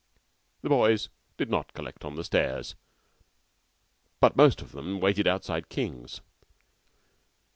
The boys did not collect on the stairs, but most of them waited outside King's.